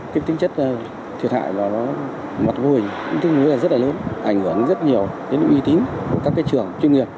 cái tính chất thiệt hại nó mặt vùi tính chất rất là lớn ảnh hưởng rất nhiều đến ưu tín của các trường chuyên nghiệp